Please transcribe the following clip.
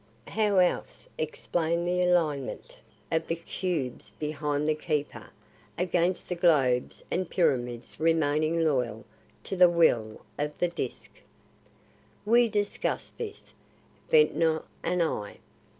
How else explain the alinement of the cubes behind the Keeper against the globes and pyramids remaining loyal to the will of the Disk? We discussed this, Ventnor and I.